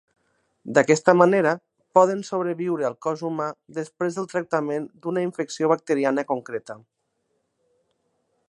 D'aquesta manera, poden sobreviure al cos humà després del tractament d’una infecció bacteriana concreta.